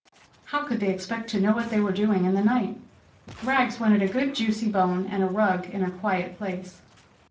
How could they expect to know what they were doing in the night? Rags wanted a good juicy bone, and a rug in a quiet place.